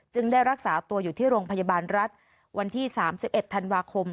ได้รักษาตัวอยู่ที่โรงพยาบาลรัฐวันที่๓๑ธันวาคม